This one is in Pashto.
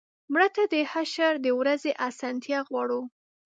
مړه ته د حشر د ورځې آسانتیا غواړو